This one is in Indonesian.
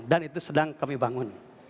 dan itu sedang kami bangun